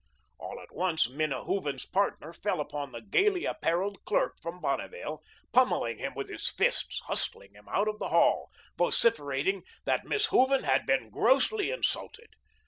All at once Minna Hooven's "partner" fell upon the gayly apparelled clerk from Bonneville, pummelling him with his fists, hustling him out of the hall, vociferating that Miss Hooven had been grossly insulted.